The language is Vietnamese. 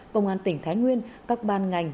công an tỉnh thái nguyên các ban ngành